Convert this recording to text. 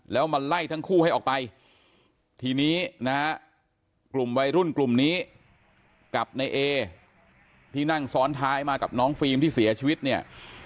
แล้วมาไล่ทั้งคู่ให้ออกไปทีนี้นะฮะกลุ่มวัยรุ่นกลุ่มนี้กับในเอที่นั่งซ้อนท้ายมากับน้องฟิล์มที่เสียชีวิตเนี่ย